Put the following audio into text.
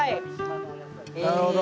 なるほど。